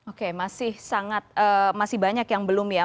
oke masih banyak yang belum ya